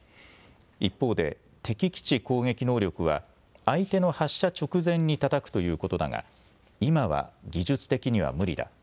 一方で敵基地攻撃能力は相手の発射直前にたたくということだが今は技術的には無理だ。